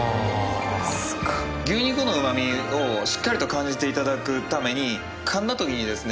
牛肉の旨味をしっかりと感じていただくために噛んだ時にですね